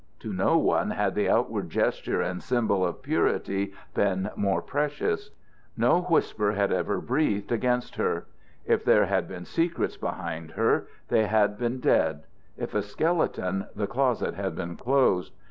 To no one had the outward gesture and symbol of purity been more precious. No whisper had ever breathed against her. If there had been secrets behind her, they had been dead; if a skeleton, the closet had been closed.